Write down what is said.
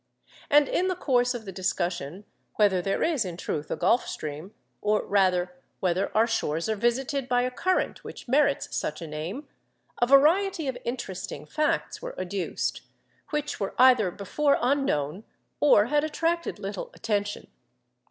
And in the course of the discussion whether there is in truth a Gulf Stream—or rather whether our shores are visited by a current which merits such a name—a variety of interesting facts were adduced, which were either before unknown or had attracted little attention.